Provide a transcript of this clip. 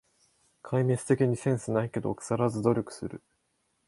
壊滅的にセンスないけど、くさらず努力する